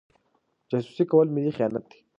جاسوسي کول ملي خیانت دی.